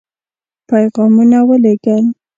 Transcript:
پيغامونه ولېږل.